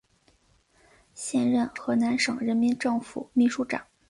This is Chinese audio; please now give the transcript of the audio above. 现任河南省人民政府秘书长。